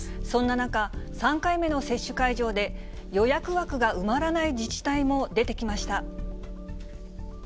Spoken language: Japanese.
そんな中、３回目の接種会場で予約枠が埋まらない自治体も出てきました。